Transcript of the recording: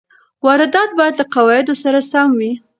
واردات باید له قواعدو سره سم وي.